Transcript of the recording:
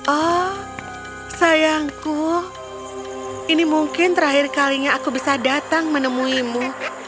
oh sayangku ini mungkin terakhir kalinya aku bisa datang menemuimu